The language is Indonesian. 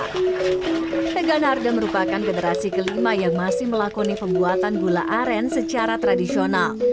hega narda merupakan generasi kelima yang masih melakoni pembuatan gula aren secara tradisional